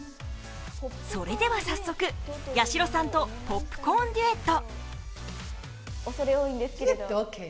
それでは早速、八代さんとポップコーンデュエット。